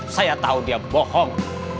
saya tau dia bohong